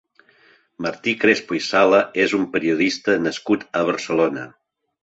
Martí Crespo i Sala és un periodista nascut a Barcelona.